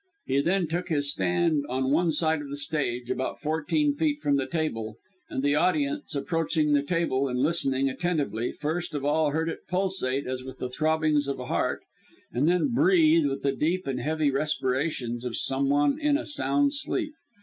He then took his stand on one side of the stage, about fourteen feet from the table; and the audience approaching the table and listening attentively, first of all heard it pulsate as with the throbbings of a heart, and then breathe with the deep and heavy respirations of some one in a sound sleep.